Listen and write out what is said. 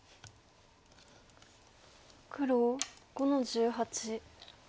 黒５の十八。